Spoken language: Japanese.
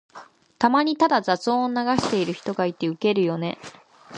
たまにただ雑音を流してる人がいてウケるよね。